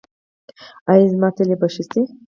ایا زما تلي به ښه شي؟